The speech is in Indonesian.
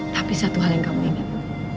tapi satu hal yang kamu ingat